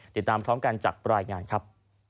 ติดตามพร้อมกันจากรายงานครับ